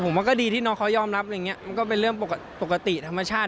คือผมว่าก็ดีที่น้องเขายอมรับมันก็เป็นเรื่องปกติธรรมชาติ